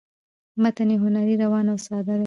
متن یې هنري ،روان او ساده دی